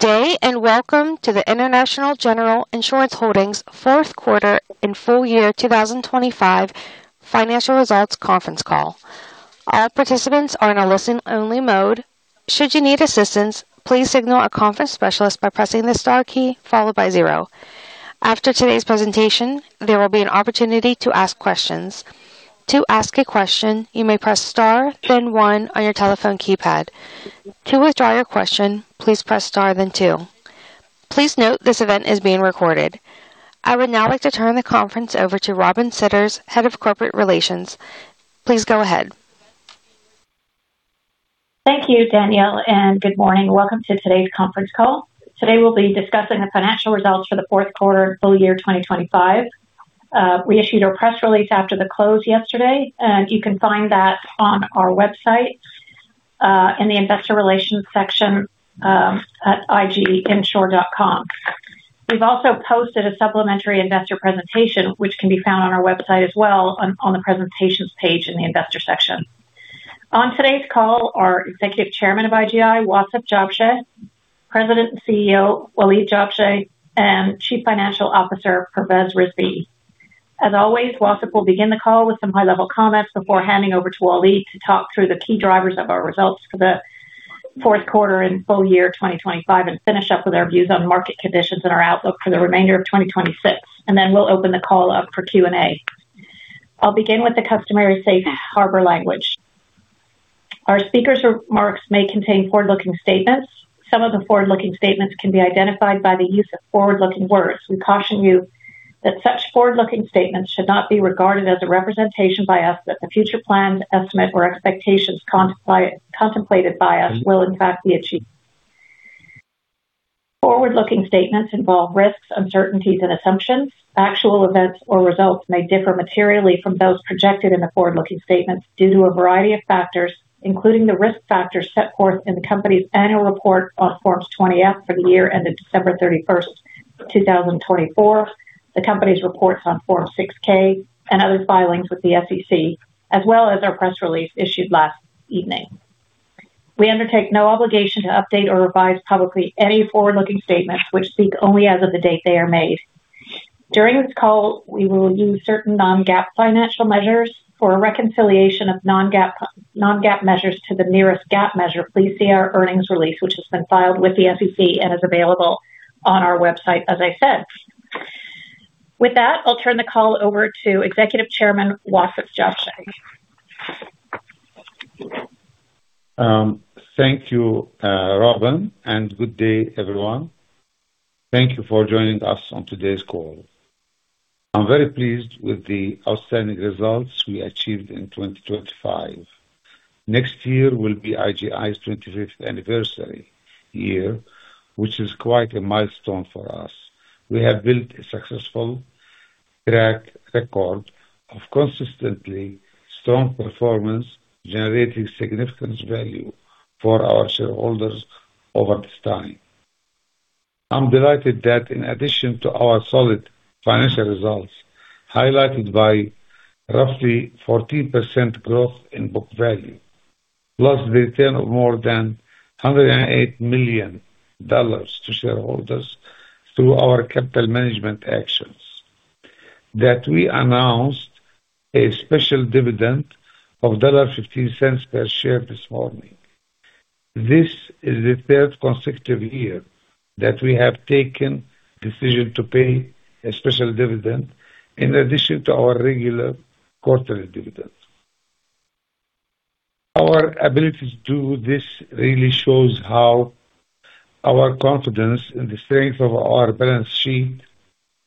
Good day, welcome to the International General Insurance Holdings fourth quarter and full year 2025 financial results conference call. All participants are in a listen-only mode. Should you need assistance, please signal a conference specialist by pressing the Star key followed by 0. After today's presentation, there will be an opportunity to ask questions. To ask a question, you may press Star, then 1 on your telephone keypad. To withdraw your question, please press Star, then 2. Please note, this event is being recorded. I would now like to turn the conference over to Robin Sidders, Head of Corporate Relations. Please go ahead. Thank you, Danielle. Good morning. Welcome to today's conference call. Today, we'll be discussing the financial results for the fourth quarter, full year, 2025. We issued our press release after the close yesterday. You can find that on our website in the investor relations section at iginsure.com. We've also posted a supplementary investor presentation, which can be found on our website as well on the presentations page in the investor section. On today's call, our Executive Chairman of IGI, Wasef Jabsheh, President and CEO, Waleed Jabsheh, and Chief Financial Officer, Pervez Rizvi. As always, Wassim will begin the call with some high-level comments before handing over to Walid to talk through the key drivers of our results for the fourth quarter and full year 2025, and finish up with our views on market conditions and our outlook for the remainder of 2026, and then we'll open the call up for Q&A. I'll begin with the customary safe harbor language. Our speakers' remarks may contain forward-looking statements. Some of the forward-looking statements can be identified by the use of forward-looking words. We caution you that such forward-looking statements should not be regarded as a representation by us that the future plans, estimate, or expectations contemplated by us will in fact be achieved. Forward-looking statements involve risks, uncertainties, and assumptions. Actual events or results may differ materially from those projected in the forward-looking statements due to a variety of factors, including the risk factors set forth in the company's annual report on Form 20-F for the year ended December 31, 2024, the company's reports on Form 6-K and other filings with the SEC, as well as our press release issued last evening. We undertake no obligation to update or revise publicly any forward-looking statements, which speak only as of the date they are made. During this call, we will use certain non-GAAP financial measures. For a reconciliation of non-GAAP measures to the nearest GAAP measure, please see our earnings release, which has been filed with the SEC and is available on our website, as I said. With that, I'll turn the call over to Executive Chairman, Wasef Jabsheh. Thank you, Robin, good day, everyone. Thank you for joining us on today's call. I'm very pleased with the outstanding results we achieved in 2025. Next year will be IGI's 25th anniversary year, which is quite a milestone for us. We have built a successful track record of consistently strong performance, generating significant value for our shareholders over this time. I'm delighted that in addition to our solid financial results, highlighted by roughly 14% growth in book value, plus the return of more than $108 million to shareholders through our capital management actions, that we announced a special dividend of $0.15 per share this morning. This is the third consecutive year that we have taken decision to pay a special dividend in addition to our regular quarterly dividends. Our ability to do this really shows how our confidence in the strength of our balance sheet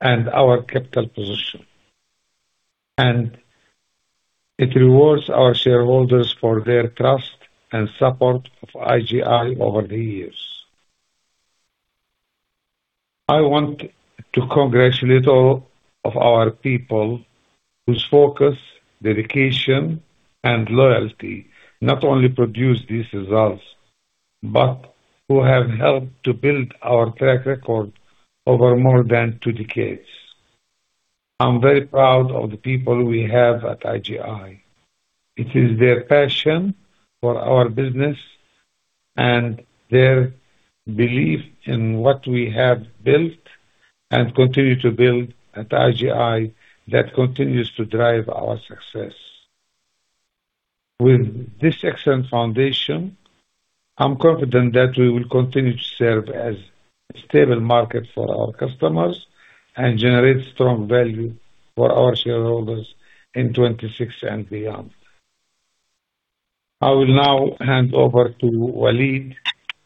and our capital position, and it rewards our shareholders for their trust and support of IGI over the years. I want to congratulate all of our people whose focus, dedication, and loyalty not only produced these results, but who have helped to build our track record over more than two decades. I'm very proud of the people we have at IGI. It is their passion for our business and their belief in what we have built and continue to build at IGI that continues to drive our success. With this excellent foundation, I'm confident that we will continue to serve as a stable market for our customers and generate strong value for our shareholders in 2026 and beyond. I will now hand over to Walid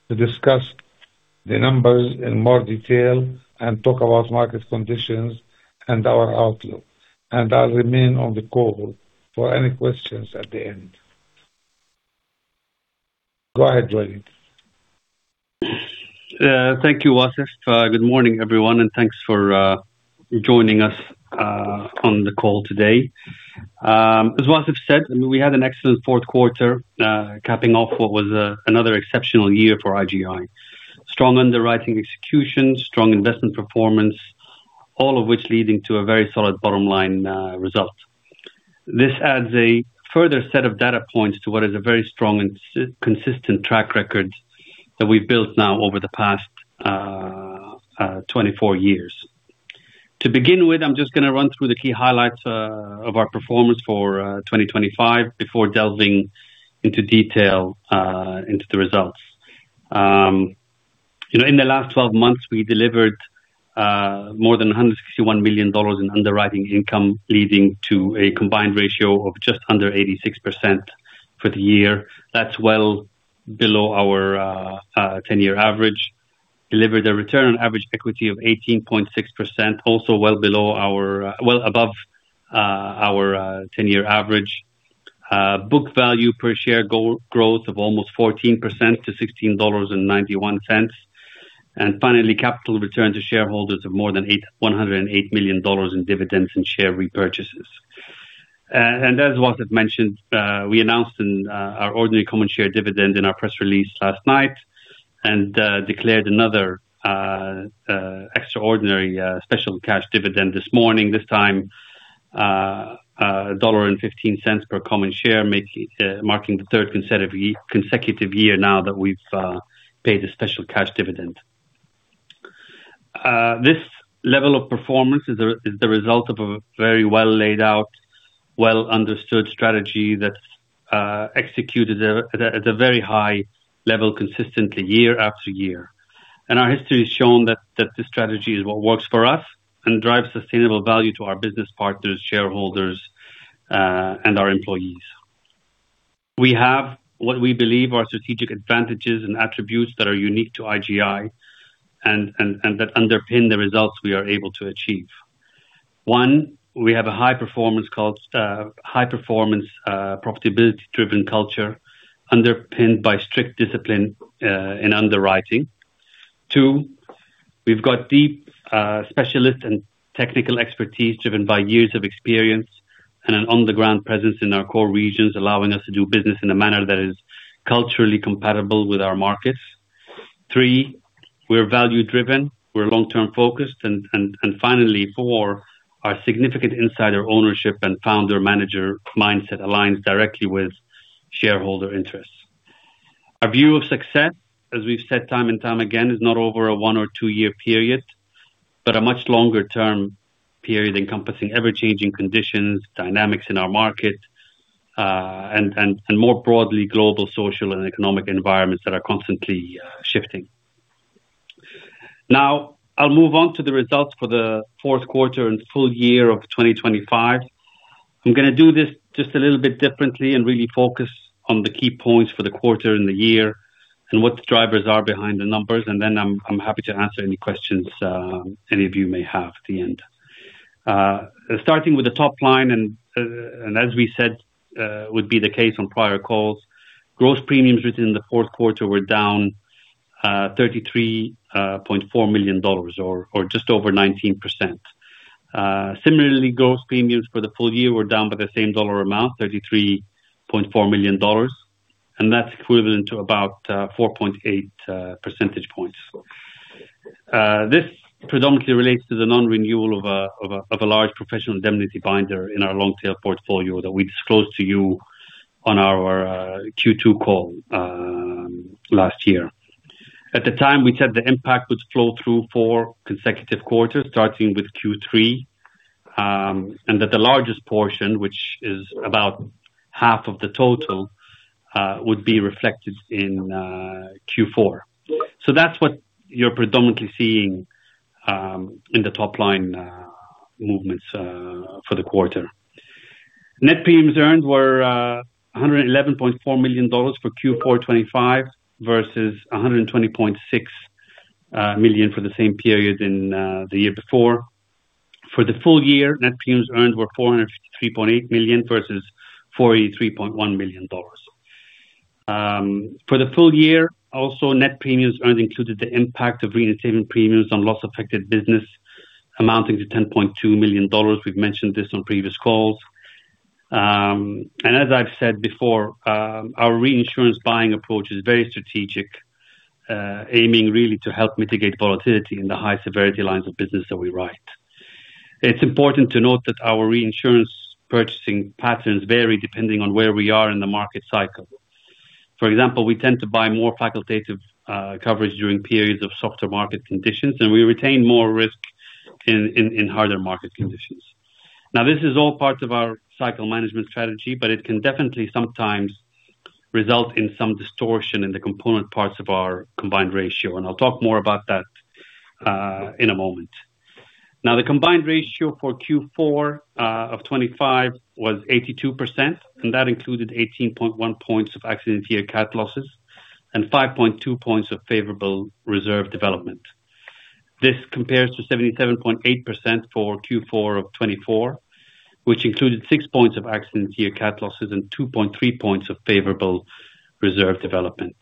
to discuss the numbers in more detail and talk about market conditions and our outlook. I'll remain on the call for any questions at the end. Go ahead, Walid. Thank you, Wassim. Good morning, everyone, and thanks for joining us on the call today. As Wassim said, we had an excellent fourth quarter, capping off what was another exceptional year for IGI. Strong underwriting execution, strong investment performance, all of which leading to a very solid bottom line result. This adds a further set of data points to what is a very strong and consistent track record that we've built now over the past 24 years. To begin with, I'm just gonna run through the key highlights of our performance for 2025 before delving into detail into the results. You know, in the last 12 months, we delivered more than $161 million in underwriting income, leading to a combined ratio of just under 86% for the year. That's well below our 10-year average. Delivered a Return on Average Equity of 18.6%, also well above our 10-year average. Book Value Per Share growth of almost 14% to $16.91. Finally, capital return to shareholders of more than $108 million in dividends and share repurchases. As Wasef mentioned, we announced our ordinary common share dividend in our press release last night, and declared another extraordinary special cash dividend this morning. This time, $1.15 per common share, marking the third consecutive year now that we've paid a special cash dividend. This level of performance is the result of a very well laid out, well-understood strategy that's executed at a very high level, consistently year after year. Our history has shown that this strategy is what works for us and drives sustainable value to our business partners, shareholders, and our employees. We have what we believe are strategic advantages and attributes that are unique to IGI and that underpin the results we are able to achieve. One, we have a high performance profitability-driven culture, underpinned by strict discipline in underwriting. Two, we've got deep specialist and technical expertise, driven by years of experience and an on-the-ground presence in our core regions, allowing us to do business in a manner that is culturally compatible with our markets. Three, we're value driven, we're long-term focused. Finally, four, our significant insider ownership and founder-manager mindset aligns directly with shareholder interests. Our view of success, as we've said time and time again, is not over a one or two-year period, but a much longer-term period, encompassing ever-changing conditions, dynamics in our markets, and more broadly, global, social, and economic environments that are constantly shifting. I'll move on to the results for the fourth quarter and full year of 2025. I'm gonna do this just a little bit differently and really focus on the key points for the quarter and the year, and what the drivers are behind the numbers, and then I'm happy to answer any questions any of you may have at the end. Starting with the top line, as we said would be the case on prior calls, gross premiums written in the fourth quarter were down $33.4 million, or just over 19%. Similarly, gross premiums for the full year were down by the same dollar amount, $33.4 million, that's equivalent to about 4.8 percentage points. This predominantly relates to the non-renewal of a large professional indemnity binder in our long-tail portfolio that we disclosed to you on our Q2 call last year. At the time, we said the impact would flow through 4 consecutive quarters, starting with Q3, that the largest portion, which is about half of the total, would be reflected in Q4. That's what you're predominantly seeing, in the top line, movements, for the quarter. Net Premiums Earned were $111.4 million for Q4 2025, versus $120.6 million for the same period in the year before. For the full year, Net Premiums Earned were $453.8 million versus $43.1 million. For the full year, also, Net Premiums Earned included the impact of retainment premiums on loss-affected business, amounting to $10.2 million. We've mentioned this on previous calls. As I've said before, our reinsurance buying approach is very strategic, aiming really to help mitigate volatility in the high severity lines of business that we write. It's important to note that our reinsurance purchasing patterns vary depending on where we are in the market cycle. For example, we tend to buy more facultative coverage during periods of softer market conditions, and we retain more risk in harder market conditions. This is all parts of our cycle management strategy, but it can definitely sometimes result in some distortion in the component parts of our combined ratio, and I'll talk more about that in a moment. The combined ratio for Q4 of 2025 was 82%, and that included 18.1 points of accident year cat losses and 5.2 points of favorable reserve development. This compares to 77.8% for Q4 of 2024, which included 6 points of accident year cat losses and 2.3 points of favorable reserve development.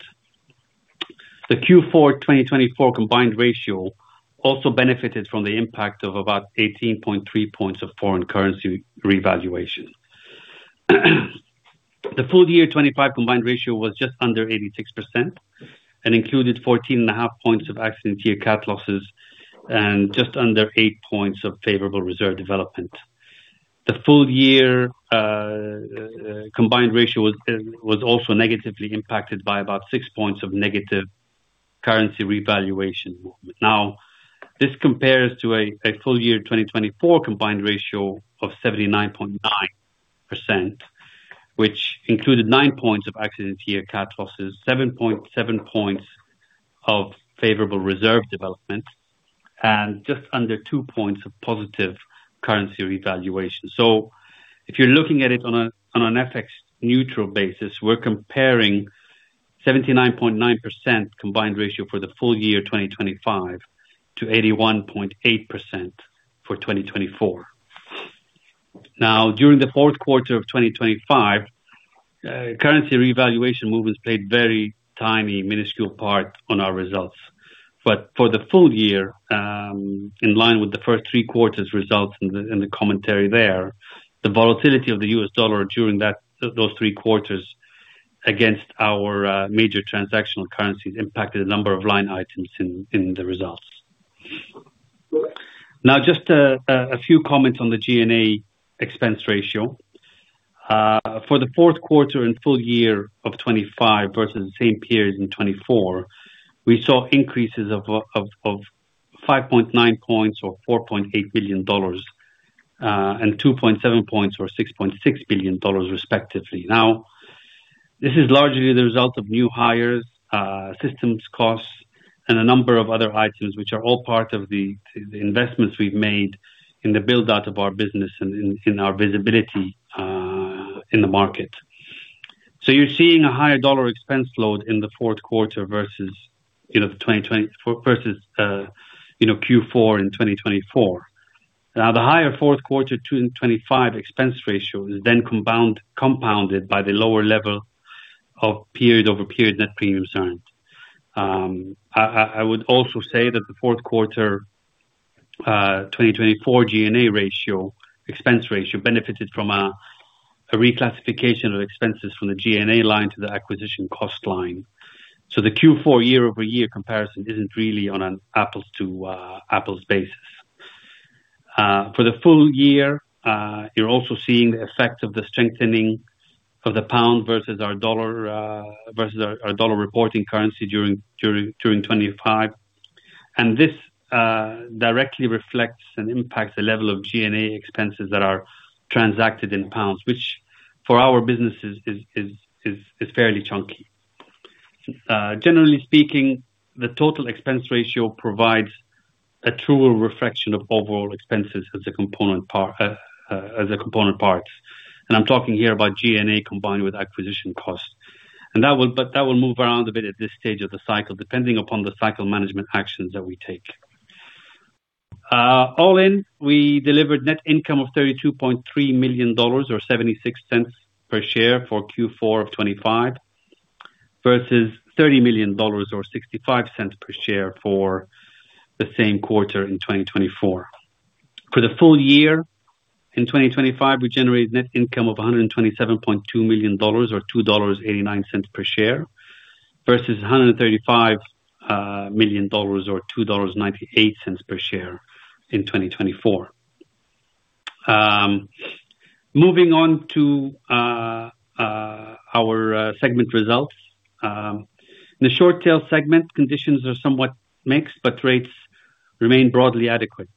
The Q4 2024 combined ratio also benefited from the impact of about 18.3 points of foreign currency revaluation. The full year 2025 combined ratio was just under 86% and included 14.5 points of accident year cat losses and just under 8 points of favorable reserve development. The full year combined ratio was also negatively impacted by about 6 points of negative currency revaluation. This compares to a full year 2024 combined ratio of 79.9%, which included 9 points of accident year cat losses, 7.7 points of favorable reserve development, and just under 2 points of positive currency revaluation. If you're looking at it on an FX neutral basis, we're comparing 79.9% combined ratio for the full year 2025 to 81.8% for 2024. During the fourth quarter of 2025, currency revaluation movements played very tiny, minuscule part on our results. For the full year, in line with the first 3 quarters results and the commentary there, the volatility of the US dollar during that, those 3 quarters against our major transactional currencies impacted a number of line items in the results. Just a few comments on the G&A expense ratio. For the fourth quarter and full year of 2025 versus the same period in 2024, we saw increases of 5.9 percentage points or $4.8 billion, and 2.7 percentage points or $6.6 billion respectively. This is largely the result of new hires, systems costs, and a number of other items, which are all part of the investments we've made in the build-out of our business and in our visibility in the market. You're seeing a higher dollar expense load in the fourth quarter versus, you know, the 2024 versus, you know, Q4 in 2024. The higher fourth quarter 2025 expense ratio is then compounded by the lower level of period-over-period net premium signed. I would also say that the fourth quarter 2024 G&A ratio, expense ratio, benefited from a reclassification of expenses from the G&A line to the acquisition cost line. The Q4 year-over-year comparison isn't really on an apples to apples basis. For the full year, you're also seeing the effect of the strengthening of the GBP versus our USD, versus our USD reporting currency during 25. This directly reflects and impacts the level of G&A expenses that are transacted in GBP, which for our businesses is fairly chunky. Generally speaking, the Total Expense Ratio provides a truer reflection of overall expenses as a component part as a component parts. I'm talking here about G&A combined with acquisition costs. That will, but that will move around a bit at this stage of the cycle, depending upon the cycle management actions that we take. All in, we delivered net income of $32.3 million or $0.76 per share for Q4 of 2025, versus $30 million or $0.65 per share for the same quarter in 2024. For the full year, in 2025, we generated net income of $127.2 million or $2.89 per share, versus $135 million or $2.98 per share in 2024. Moving on to our segment results. In the short tail segment, conditions are somewhat mixed, but rates remain broadly adequate.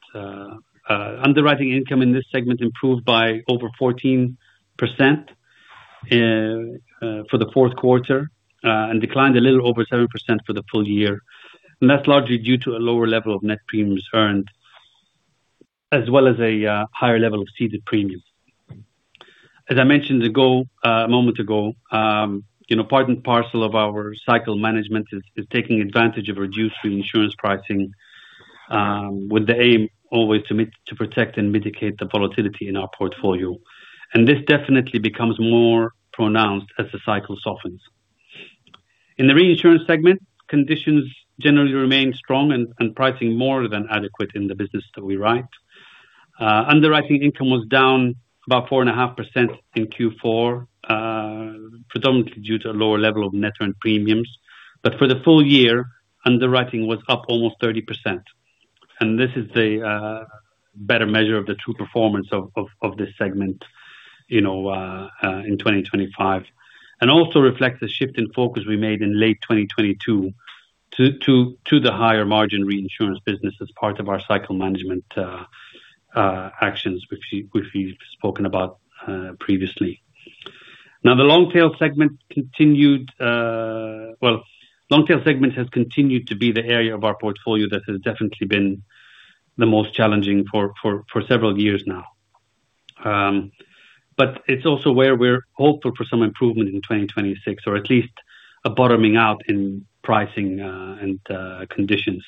Underwriting income in this segment improved by over 14% for the fourth quarter and declined a little over 7% for the full year. That's largely due to a lower level of Net Premiums Earned, as well as a higher level of ceded premiums. As I mentioned a moment ago, you know, part and parcel of our cycle management is taking advantage of reduced reinsurance pricing with the aim always to protect and mitigate the volatility in our portfolio. This definitely becomes more pronounced as the cycle softens. In the reinsurance segment, conditions generally remain strong and pricing more than adequate in the business that we write. Underwriting income was down about 4.5% in Q4 predominantly due to a lower level of Net Premiums Earned. For the full year, underwriting was up almost 30%, and this is the better measure of the true performance of this segment, you know, in 2025. Also reflects the shift in focus we made in late 2022 to the higher margin reinsurance business as part of our cycle management actions which we've spoken about previously. Long tail segment has continued to be the area of our portfolio that has definitely been the most challenging for several years now. It's also where we're hopeful for some improvement in 2026, or at least a bottoming out in pricing and conditions.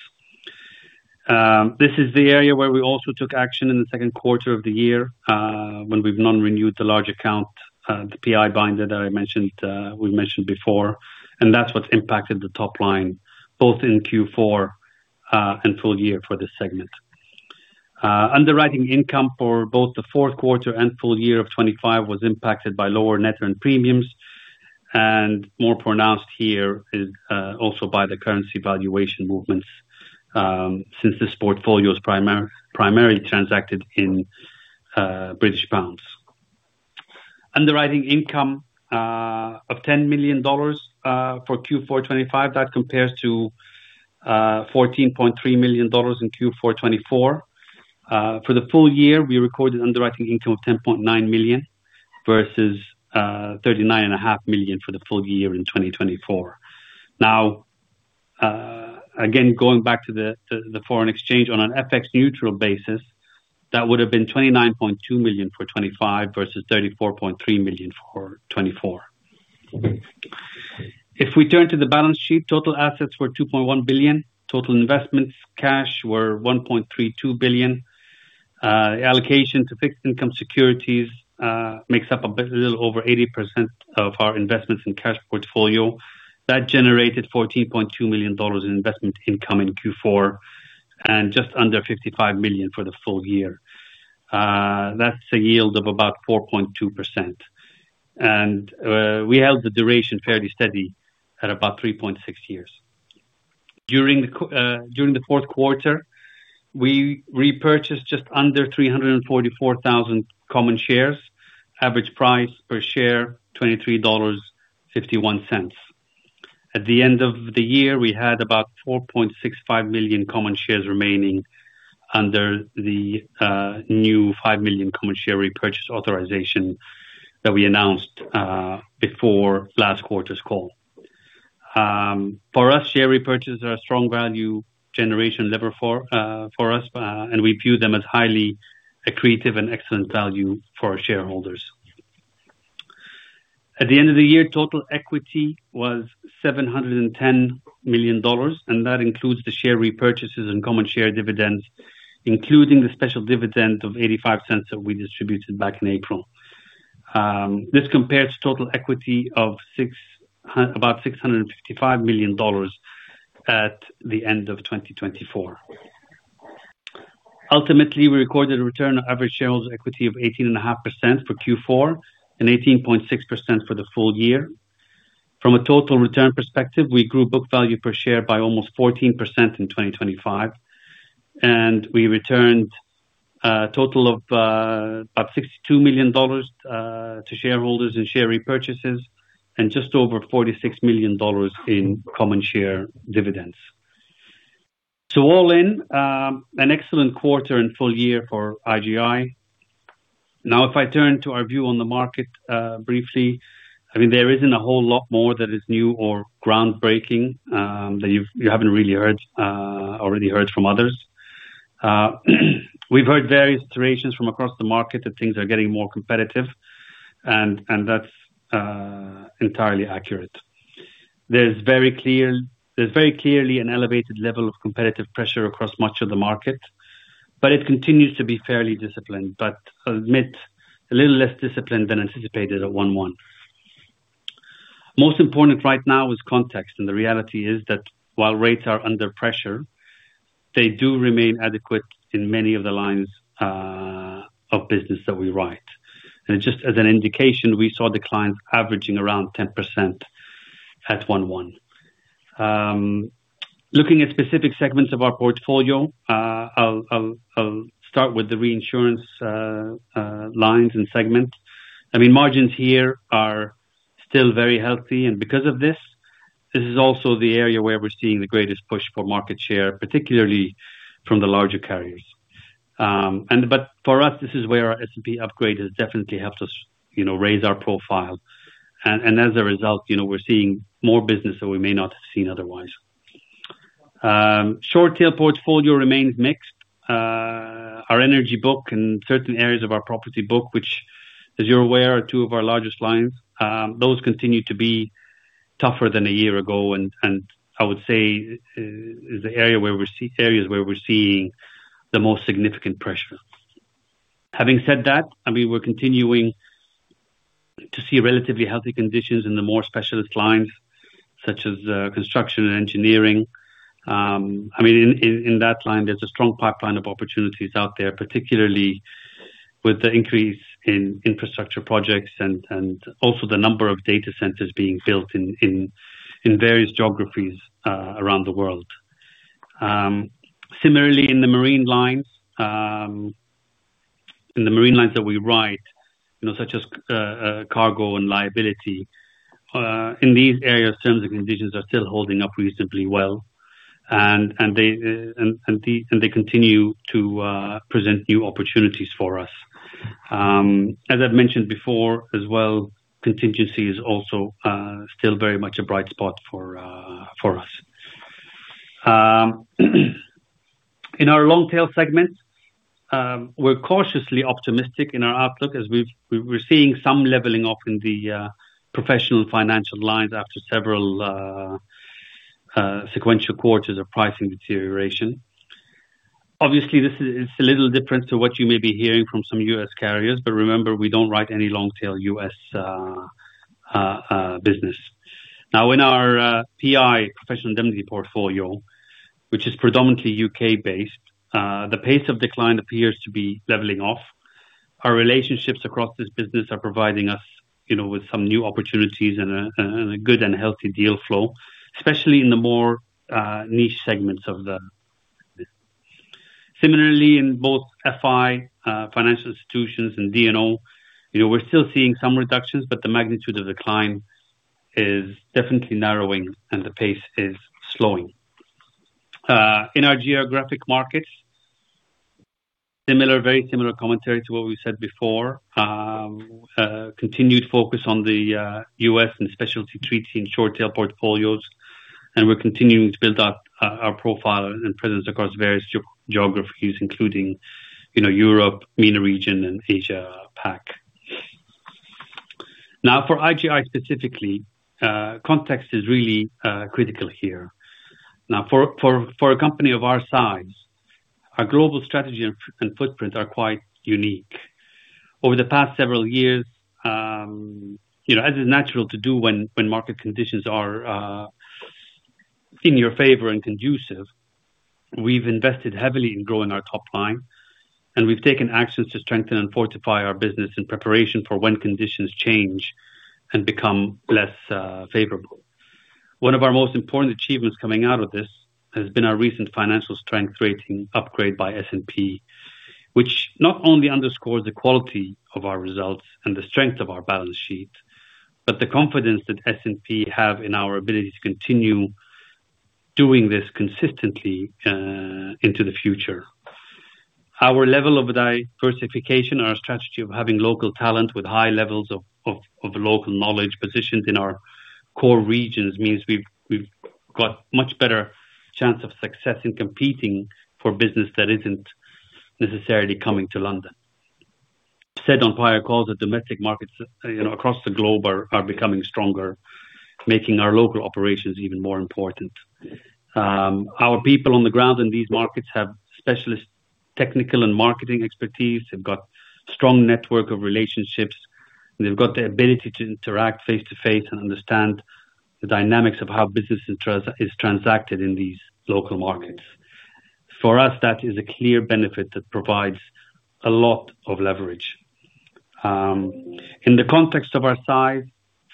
This is the area where we also took action in the second quarter of the year, when we've non-renewed the large account, the PI binder that I mentioned, we mentioned before, and that's what's impacted the top line, both in Q4 and full year for this segment. Underwriting income for both the fourth quarter and full year of 2025 was impacted by lower net earned premiums, and more pronounced here is also by the currency valuation movements, since this portfolio is primarily transacted in British pounds. Underwriting income of $10 million for Q4 2025 that compares to $14.3 million in Q4 2024. For the full year, we recorded underwriting income of $10.9 million, versus thirty-nine and a half million for the full year in 2024. Again, going back to the foreign exchange on an FX neutral basis, that would have been $29.2 million for 2025 versus $34.3 million for 2024. We turn to the balance sheet, total assets were $2.1 billion. Total investments, cash were $1.32 billion. Allocation to fixed income securities makes up a little over 80% of our investments in cash portfolio. That generated $14.2 million in investment income in Q4, and just under $55 million for the full year. That's a yield of about 4.2%. We held the duration fairly steady at about 3.6 years. During the fourth quarter, we repurchased just under 344,000 common shares. Average price per share, $23.51. At the end of the year, we had about 4.65 million common shares remaining under the new 5 million common share repurchase authorization that we announced before last quarter's call. For us, share repurchases are a strong value generation lever for us, and we view them as highly accretive and excellent value for our shareholders. At the end of the year, total equity was $710 million, that includes the share repurchases and common share dividends, including the special dividend of $0.85 that we distributed back in April. This compares total equity of about $655 million at the end of 2024. Ultimately, we recorded a return on average shareholder equity of 18.5% for Q4 and 18.6% for the full year. From a total return perspective, we grew Book Value Per Share by almost 14% in 2025, and we returned a total of about $62 million to shareholders in share repurchases, and just over $46 million in common share dividends. All in, an excellent quarter and full year for IGI. If I turn to our view on the market briefly, I mean, there isn't a whole lot more that is new or groundbreaking that you haven't really heard already heard from others. We've heard various iterations from across the market that things are getting more competitive, and that's entirely accurate. There's very clearly an elevated level of competitive pressure across much of the market, but it continues to be fairly disciplined, but admit a little less disciplined than anticipated at 1/1. Most important right now is context, the reality is that while rates are under pressure, they do remain adequate in many of the lines of business that we write. Just as an indication, we saw the clients averaging around 10% at 1/1. Looking at specific segments of our portfolio, I'll start with the reinsurance lines and segments. I mean, margins here are still very healthy, because of this is also the area where we're seeing the greatest push for market share, particularly from the larger carriers. But for us, this is where our S&P upgrade has definitely helped us, you know, raise our profile. As a result, you know, we're seeing more business that we may not have seen otherwise. Short tail portfolio remains mixed. Our energy book and certain areas of our property book, which, as you're aware, are two of our largest lines, those continue to be tougher than a year ago, and I would say, is the areas where we're seeing the most significant pressure. Having said that, I mean, we're continuing to see relatively healthy conditions in the more specialist lines, such as, construction and engineering. I mean, in that line, there's a strong pipeline of opportunities out there, particularly with the increase in infrastructure projects and also the number of data centers being built in various geographies, around the world. Similarly, in the marine lines, in the marine lines that we write, you know, such as cargo and liability, in these areas, terms and conditions are still holding up reasonably well, and they continue to present new opportunities for us. As I've mentioned before as well, contingency is also still very much a bright spot for us. In our long tail segment, we're cautiously optimistic in our outlook as we're seeing some leveling off in the professional financial lines after several sequential quarters of pricing deterioration. Obviously, it's a little different to what you may be hearing from some US carriers, but remember, we don't write any long-tail US business. Now, in our PI, professional indemnity portfolio, which is predominantly UK based, the pace of decline appears to be leveling off. Our relationships across this business are providing us, you know, with some new opportunities and a good and healthy deal flow, especially in the more niche segments of the business. Similarly, in both FI, financial institutions and D&O, you know, we're still seeing some reductions, but the magnitude of decline is definitely narrowing and the pace is slowing. In our geographic markets, similar, very similar commentary to what we said before. Continued focus on the US and specialty treaty and short tail portfolios, and we're continuing to build up our profile and presence across various geographies, including, you know, Europe, MENA region, and Asia Pac. Now, for IGI specifically, context is really critical here. Now, for a company of our size, our global strategy and footprint are quite unique. Over the past several years, you know, as is natural to do when market conditions are in your favor and conducive, we've invested heavily in growing our top line, and we've taken actions to strengthen and fortify our business in preparation for when conditions change and become less favorable. One of our most important achievements coming out of this has been our recent financial strength rating upgrade by S&P, which not only underscores the quality of our results and the strength of our balance sheet, but the confidence that S&P have in our ability to continue doing this consistently into the future. Our level of diversification and our strategy of having local talent with high levels of local knowledge positions in our core regions means we've got much better chance of success in competing for business that isn't necessarily coming to London. Said on prior calls, the domestic markets, you know, across the globe are becoming stronger, making our local operations even more important. Our people on the ground in these markets have specialist technical and marketing expertise. They've got strong network of relationships, and they've got the ability to interact face-to-face and understand the dynamics of how business is transacted in these local markets. For us, that is a clear benefit that provides a lot of leverage. In the context of our size,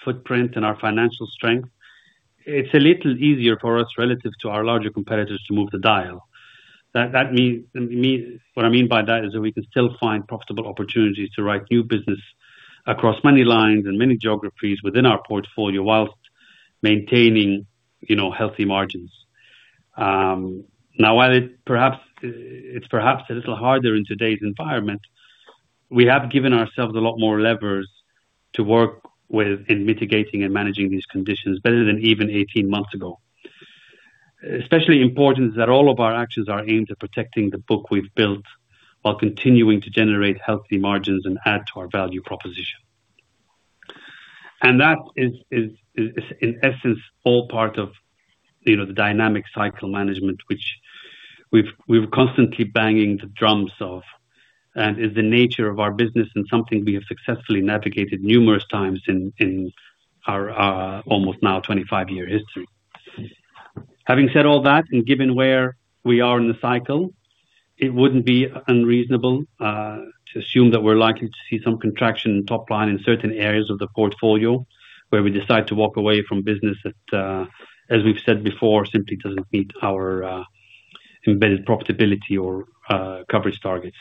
footprint, and our financial strength, it's a little easier for us, relative to our larger competitors, to move the dial. That means... What I mean by that is that we can still find profitable opportunities to write new business across many lines and many geographies within our portfolio, while maintaining, you know, healthy margins. Now, while it perhaps, it's perhaps a little harder in today's environment, we have given ourselves a lot more levers to work with in mitigating and managing these conditions, better than even 18 months ago. Especially important is that all of our actions are aimed at protecting the book we've built, while continuing to generate healthy margins and add to our value proposition. That is, in essence, all part of, you know, the dynamic cycle management which we're constantly banging the drums of, and is the nature of our business and something we have successfully navigated numerous times in our almost now 25 year history. Having said all that, given where we are in the cycle, it wouldn't be unreasonable to assume that we're likely to see some contraction in top line in certain areas of the portfolio, where we decide to walk away from business that, as we've said before, simply doesn't meet our embedded profitability or coverage targets.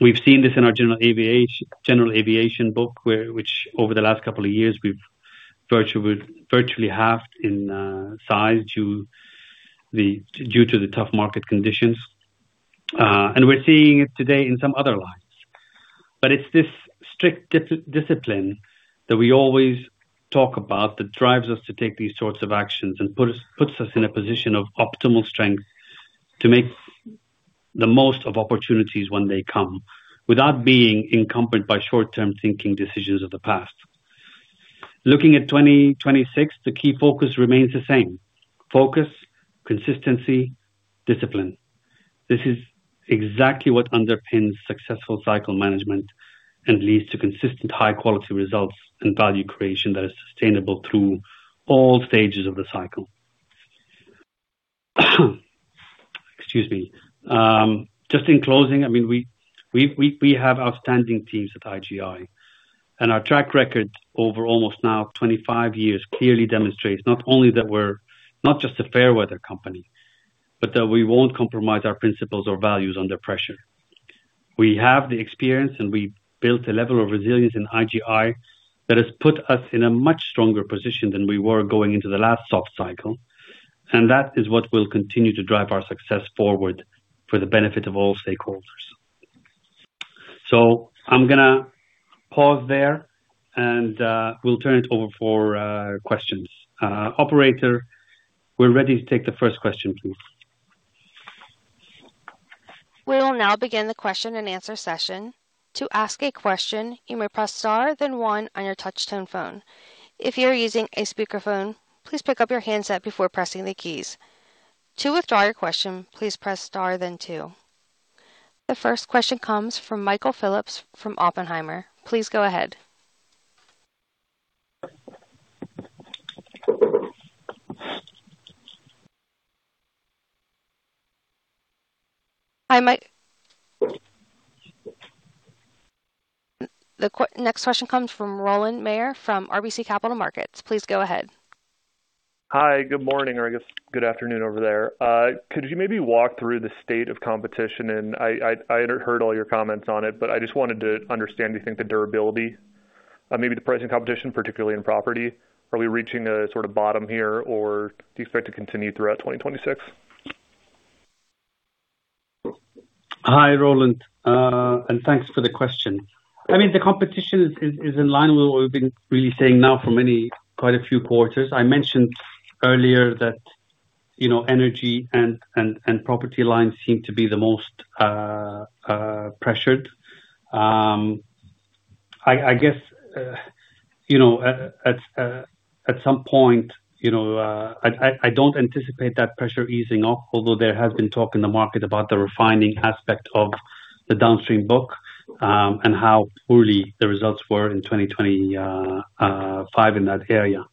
We've seen this in our general aviation book, where, which over the last 2 years, we've virtually halved in size due to the tough market conditions. We're seeing it today in some other lines. It's this strict discipline that we always talk about, that drives us to take these sorts of actions and puts us in a position of optimal strength to make the most of opportunities when they come, without being encumbered by short-term thinking decisions of the past. Looking at 2026, the key focus remains the same: focus, consistency, discipline. This is exactly what underpins successful cycle management and leads to consistent, high-quality results and value creation that is sustainable through all stages of the cycle. Excuse me. Just in closing, I mean, we have outstanding teams at IGI, and our track record over almost now 25 years, clearly demonstrates not only that we're not just a fair weather company, but that we won't compromise our principles or values under pressure. We have the experience. We've built a level of resilience in IGI that has put us in a much stronger position than we were going into the last soft cycle. That is what will continue to drive our success forward for the benefit of all stakeholders. I'm gonna pause there. We'll turn it over for questions. Operator, we're ready to take the first question, please. We will now begin the question and answer session. To ask a question, you may press star then one on your touchtone phone. If you are using a speakerphone, please pick up your handset before pressing the keys. To withdraw your question, please press star then two. The first question comes from Michael Phillips from Oppenheimer. Please go ahead. Hi, next question comes from Roland Meyer from RBC Capital Markets. Please go ahead. Hi, good morning, or I guess good afternoon over there. Could you maybe walk through the state of competition? I heard all your comments on it, but I just wanted to understand, do you think the durability, maybe the pricing competition, particularly in property, are we reaching a sort of bottom here, or do you expect it to continue throughout 2026? Hi, Roland, and thanks for the question. I mean, the competition is in line with what we've been really saying now for many, quite a few quarters. I mentioned earlier that, you know, energy and property lines seem to be the most pressured. I guess, you know, at some point, you know, I don't anticipate that pressure easing off, although there has been talk in the market about the refining aspect of the downstream book, and how poorly the results were in 2025 in that area.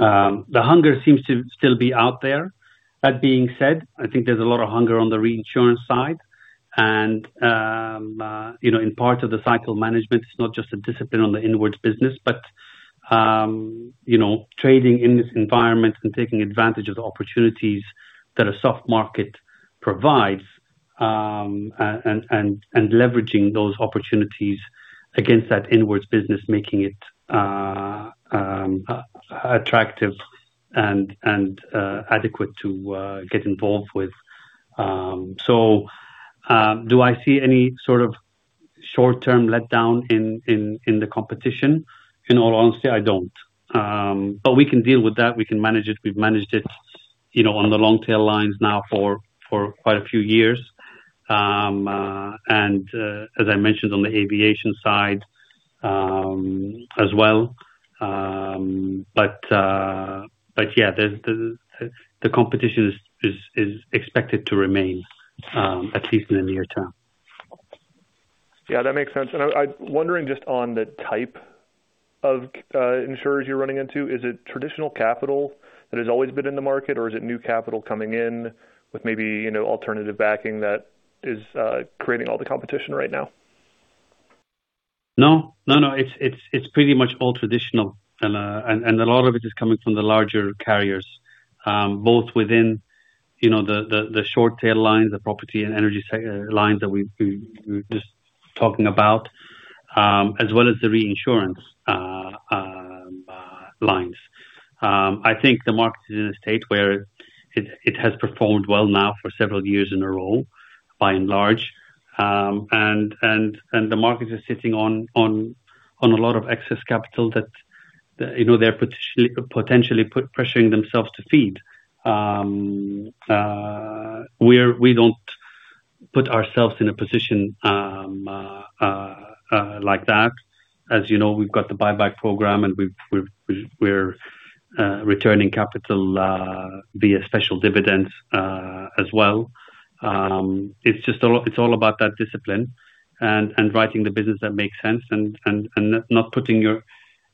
The hunger seems to still be out there. That being said, I think there's a lot of hunger on the reinsurance side, and, you know, in part of the cycle management, it's not just a discipline on the inwards business, but, you know, trading in this environment and taking advantage of the opportunities that a soft market provides, and leveraging those opportunities against that inwards business, making it attractive and adequate to get involved with. Do I see any sort of short-term letdown in the competition? In all honesty, I don't. We can deal with that. We can manage it. We've managed it, you know, on the long tail lines now for quite a few years. As I mentioned on the aviation side, as well. Yeah, the competition is expected to remain at least in the near term. Yeah, that makes sense. I'm wondering just on the type of insurers you're running into, is it traditional capital that has always been in the market, or is it new capital coming in with maybe, you know, alternative backing that is creating all the competition right now? No. No, no, it's, it's pretty much all traditional. A lot of it is coming from the larger carriers, both within, you know, the short tail lines, the property and energy lines that we were just talking about, as well as the reinsurance lines. I think the market is in a state where it has performed well now for several years in a row, by and large. The markets are sitting on a lot of excess capital that, you know, they're potentially put, pressuring themselves to feed. We don't put ourselves in a position like that. As you know, we've got the buyback program, and we're returning capital via special dividends as well.it's just all, it's all about that discipline and writing the business that makes sense and not putting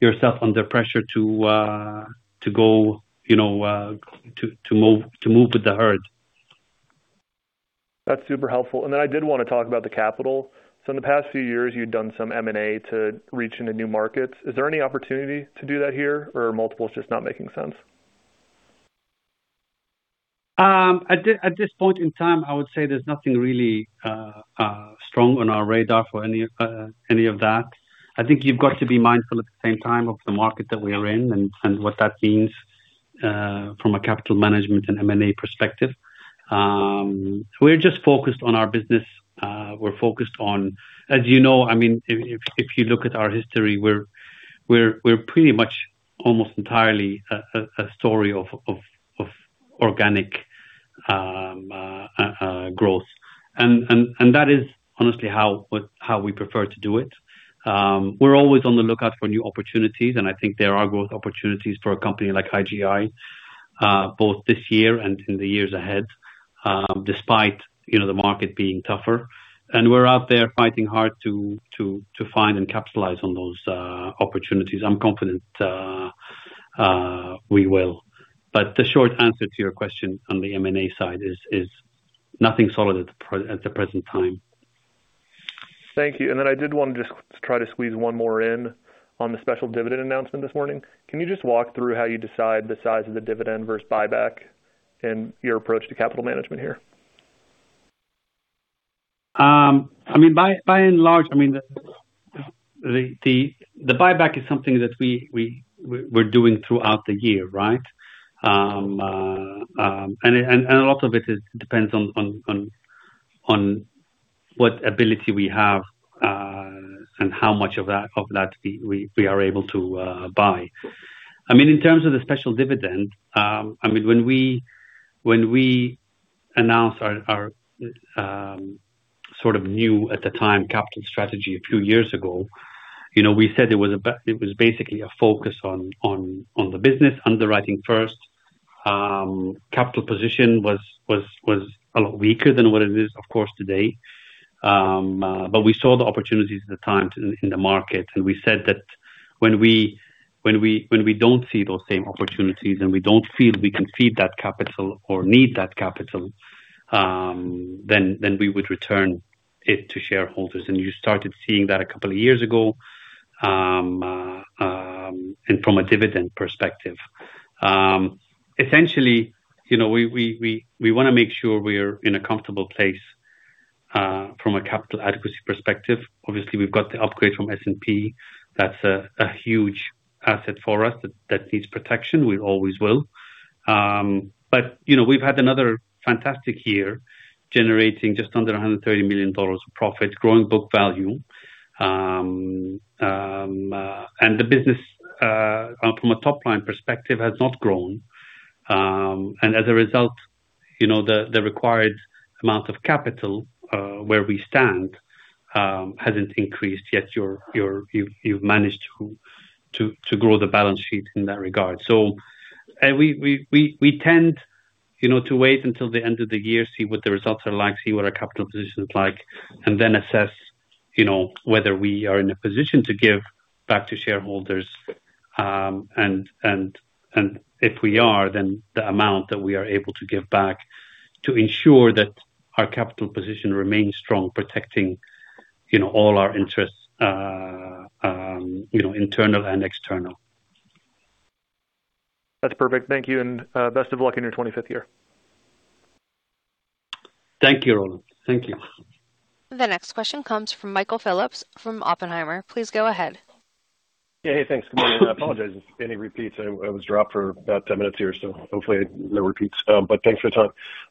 yourself under pressure to go, you know, to move with the herd. That's super helpful. I did want to talk about the capital. In the past few years, you've done some M&A to reach into new markets. Is there any opportunity to do that here, or are multiples just not making sense? At this point in time, I would say there's nothing really strong on our radar for any of that. I think you've got to be mindful at the same time of the market that we are in and what that means from a capital management and M&A perspective. We're just focused on our business. As you know, I mean, if you look at our history, we're pretty much almost entirely a story of organic growth. That is honestly how, what, how we prefer to do it. We're always on the lookout for new opportunities, and I think there are growth opportunities for a company like IGI, both this year and in the years ahead, despite, you know, the market being tougher. We're out there fighting hard to find and capitalize on those opportunities. I'm confident, we will. The short answer to your question on the M&A side is nothing solid at the present time. Thank you. I did want to just try to squeeze one more in on the special dividend announcement this morning. Can you just walk through how you decide the size of the dividend versus buyback and your approach to capital management here? I mean, by and large, I mean, the buyback is something that we're doing throughout the year, right? A lot of it is, depends on what ability we have, and how much of that we are able to buy. I mean, in terms of the special dividend, I mean, when we announce our sort of new at the time, capital strategy a few years ago, you know, we said it was basically a focus on the business, underwriting first. Capital position was a lot weaker than what it is, of course, today. But we saw the opportunities at the time in the market, and we said that when we don't see those same opportunities and we don't feel we can feed that capital or need that capital, then we would return it to shareholders. You started seeing that a couple of years ago, from a dividend perspective. Essentially, you know, we wanna make sure we're in a comfortable place from a capital adequacy perspective. Obviously, we've got the upgrade from S&P. That's a huge asset for us that needs protection. We always will. You know, we've had another fantastic year, generating just under $130 million of profit, growing book value. The business from a top line perspective, has not grown. As a result, you know, the required amount of capital, where we stand, hasn't increased, yet you're, you've managed to grow the balance sheet in that regard. We tend, you know, to wait until the end of the year, see what the results are like, see what our capital position is like, and then assess, you know, whether we are in a position to give back to shareholders. If we are, then the amount that we are able to give back, to ensure that our capital position remains strong, protecting, you know, all our interests, internal and external. That's perfect. Thank you, and best of luck in your 25th year. Thank you, Roland. Thank you. The next question comes from Michael Phillips from Oppenheimer. Please go ahead. Yeah. Hey, thanks. Good morning. I apologize if any repeats. I was dropped for about 10 minutes here, so hopefully no repeats. Thanks for the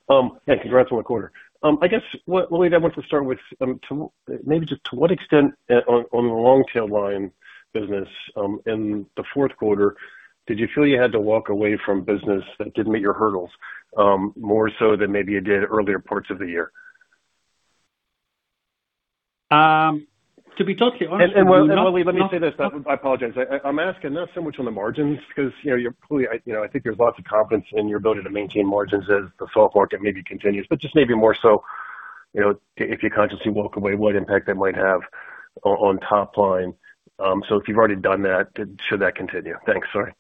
time. Congrats on the quarter. I guess what I wanted to start with, to, maybe just to what extent, on the long tail line business, in the fourth quarter, did you feel you had to walk away from business that didn't meet your hurdles, more so than maybe you did earlier parts of the year? to be totally honest. Waleed, let me say this. I apologize. I'm asking not so much on the margins, 'cause, you know, you're clearly, I, you know, I think there's lots of confidence in your ability to maintain margins as the soft market maybe continues, but just maybe more so, you know, if you consciously walk away, what impact that might have on top line? If you've already done that, should that continue? Thanks. Sorry.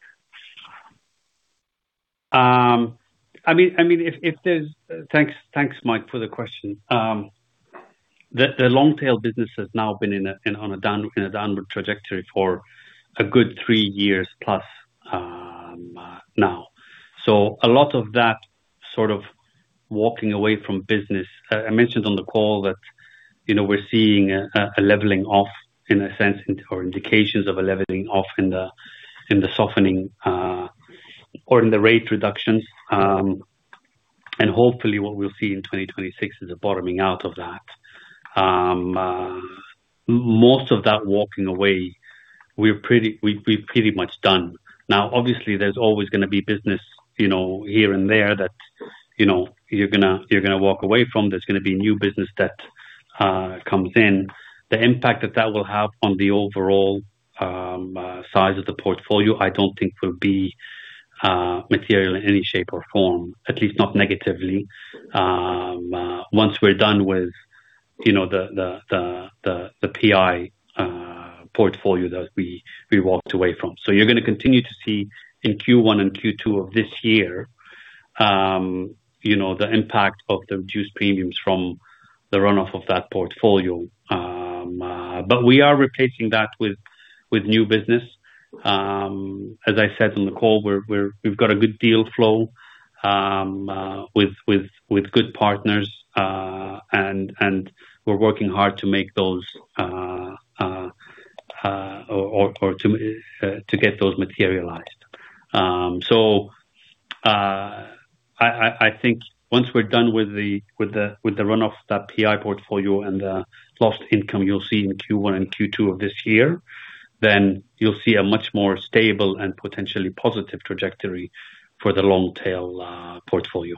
Thanks, Mike, for the question. The long tail business has now been in a downward trajectory for a good 3 years plus now. A lot of that sort of walking away from business, I mentioned on the call that, you know, we're seeing a leveling off in a sense, or indications of a leveling off in the softening or in the rate reductions. Hopefully, what we'll see in 2026 is a bottoming out of that. Most of that walking away, we've pretty much done. Obviously, there's always gonna be business, you know, here and there that, you know, you're gonna walk away from. There's gonna be new business that comes in. The impact that that will have on the overall size of the portfolio, I don't think will be material in any shape or form, at least not negatively. Once we're done with, you know, the PI portfolio that we walked away from. You're gonna continue to see in Q1 and Q2 of this year, you know, the impact of the reduced premiums from the runoff of that portfolio. We are replacing that with new business. As I said on the call, we've got a good deal flow with good partners and we're working hard to make those or to get those materialized.I think once we're done with the run of that PI portfolio and the lost income you'll see in Q1 and Q2 of this year, then you'll see a much more stable and potentially positive trajectory for the long tail portfolio.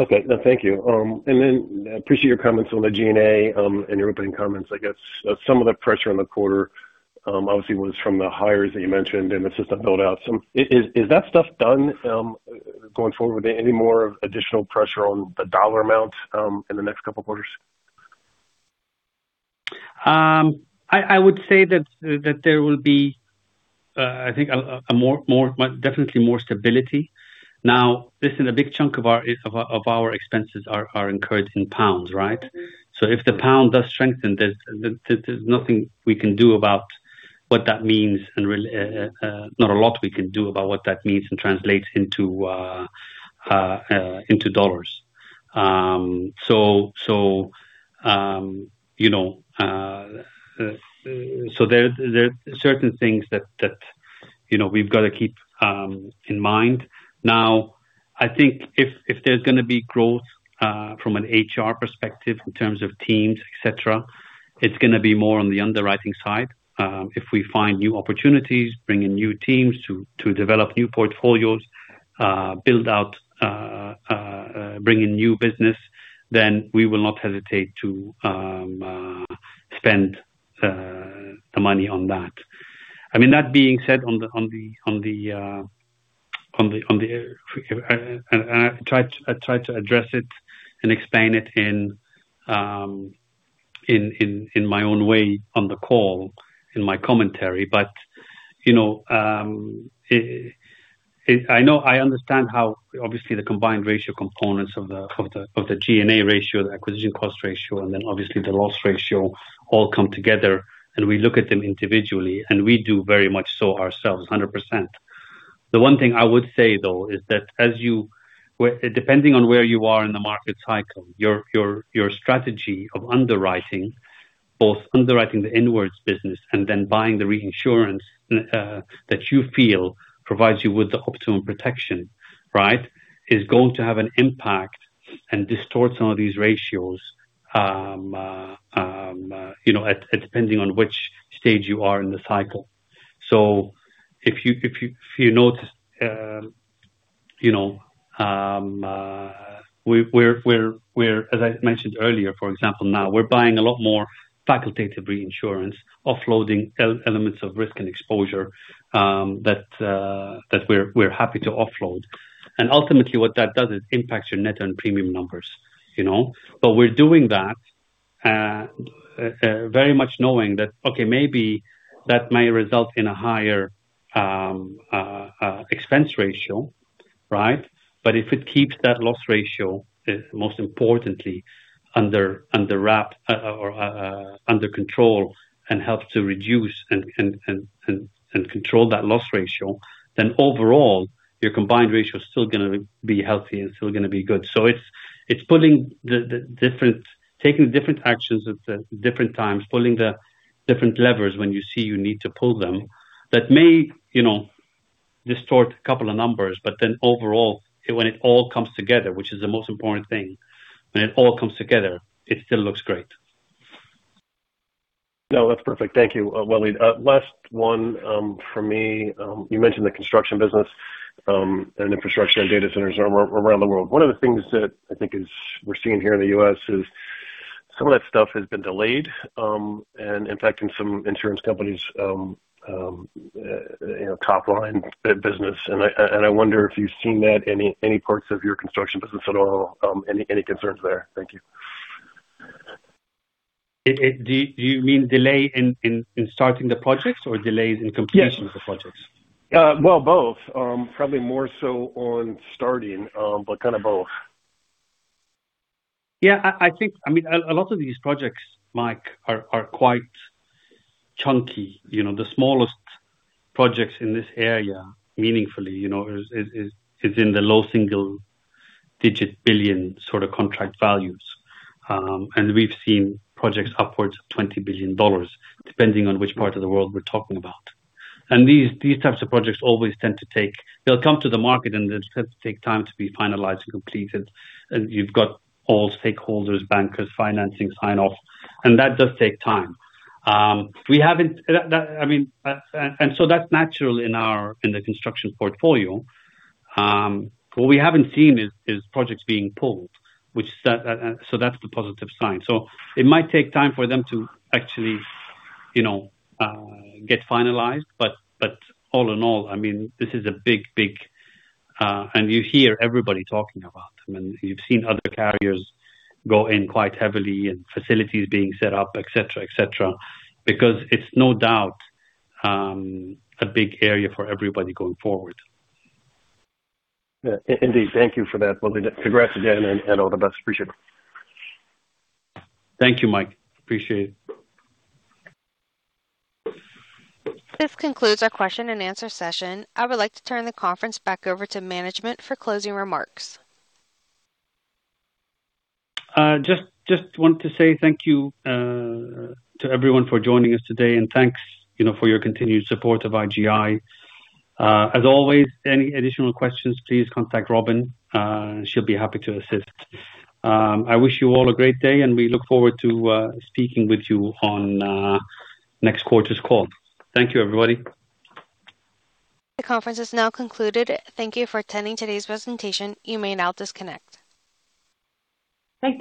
Okay. No, thank you. I appreciate your comments on the G&A, and your opening comments. I guess some of the pressure on the quarter, obviously, was from the hires that you mentioned, and the system build out. Is that stuff done going forward? Are there any more additional pressure on the dollar amount in the next couple quarters? I would say that there will be, I think a more definitely more stability. Now, this is a big chunk of our expenses are encouraged in pounds, right? If the pound does strengthen, there's nothing we can do about what that means, and not a lot we can do about what that means and translates into dollars. So, you know, so there are certain things that, you know, we've got to keep in mind. Now, I think if there's gonna be growth from an HR perspective in terms of teams, et cetera, it's gonna be more on the underwriting side. If we find new opportunities, bring in new teams to develop new portfolios, build out, bring in new business, then we will not hesitate to spend the money on that. I mean, that being said, and I tried to address it and explain it in my own way on the call, in my commentary. You know, I understand how obviously the combined ratio components of the G&A ratio, the acquisition cost ratio, and then obviously the loss ratio all come together, and we look at them individually, and we do very much so ourselves, 100%. The one thing I would say, though, is that as you, depending on where you are in the market cycle, your strategy of underwriting, both underwriting the inwards business and then buying the reinsurance that you feel provides you with the optimal protection, right, is going to have an impact and distort some of these ratios. You know, depending on which stage you are in the cycle. If you notice, you know, we're, as I mentioned earlier, for example, now, we're buying a lot more facultative reinsurance, offloading elements of risk and exposure that we're happy to offload. Ultimately, what that does is impacts your net and premium numbers, you know? We're doing that, very much knowing that, okay, maybe that may result in a higher expense ratio, right. If it keeps that loss ratio, most importantly, under wrap or under control and helps to reduce and control that loss ratio, then overall, your combined ratio is still gonna be healthy and still gonna be good. It's taking different actions at the different times, pulling the different levers when you see you need to pull them. That may, you know, distort a couple of numbers, overall, when it all comes together, which is the most important thing, when it all comes together, it still looks great. No, that's perfect. Thank you, Waleed. Last one from me. You mentioned the construction business and infrastructure and data centers around the world. One of the things that I think is we're seeing here in the US is some of that stuff has been delayed and impacting some insurance companies, you know, top line business. I wonder if you've seen that in any parts of your construction business at all? Any concerns there? Thank you. Do you mean delay in starting the projects or delays in completion? Yes. Of the projects? Well, both. Probably more so on starting, but kind of both. Yeah, I think, I mean, a lot of these projects, Mike, are quite chunky. You know, the smallest projects in this area, meaningfully, you know, is in the low single digit billion sort of contract values. We've seen projects upwards of $20 billion, depending on which part of the world we're talking about. These types of projects always they'll come to the market, and they tend to take time to be finalized and completed. You've got all stakeholders, bankers, financing, sign-off, and that does take time. We haven't... That, I mean, and so that's natural in our, in the construction portfolio. What we haven't seen is projects being pulled, which that, so that's the positive sign. It might take time for them to actually, you know, get finalized. But all in all, I mean, this is a big, big, and you hear everybody talking about them, and you've seen other carriers go in quite heavily and facilities being set up, et cetera, et cetera, because it's no doubt, a big area for everybody going forward. Yeah, indeed. Thank you for that, Waleed. Congrats again, and all the best. Appreciate it. Thank you, Mike. Appreciate it. This concludes our question and answer session. I would like to turn the conference back over to management for closing remarks. Just want to say thank you to everyone for joining us today, thanks, you know, for your continued support of IGI. As always, any additional questions, please contact Robin. She'll be happy to assist. I wish you all a great day, we look forward to speaking with you on next quarter's call. Thank you, everybody. The conference is now concluded. Thank you for attending today's presentation. You may now disconnect. Thank you.